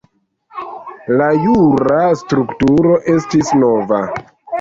La jura strukturo estis nova.